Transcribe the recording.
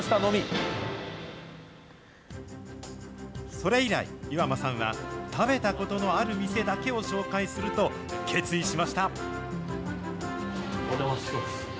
それ以来、岩間さんは食べたことのある店だけを紹介すると決意しました。